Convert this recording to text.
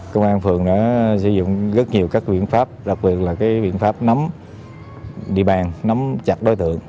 công an phường đã sử dụng rất nhiều các biện pháp đặc biệt là biện pháp nắm địa bàn nắm chặt đối tượng